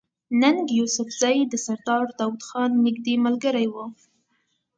ننګ يوسفزۍ د سردار داود خان نزدې ملګری وو